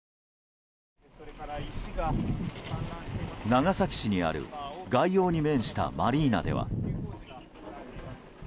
長崎市にある外洋に面したマリーナでは。